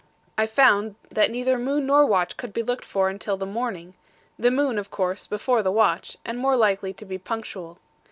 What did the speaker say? I found that neither moon nor watch could be looked for until the morning; the moon, of course, before the watch, and more likely to be punctual.